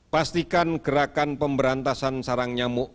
pastikan gerakan pemberantasan sarang nyamuk